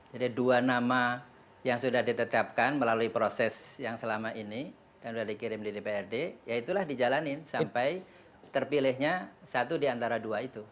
jadi dua nama yang sudah ditetapkan melalui proses yang selama ini dan sudah dikirim di dprd ya itulah dijalanin sampai terpilihnya satu di antara dua itu